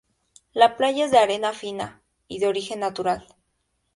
La playa es de arena fina de origen natural.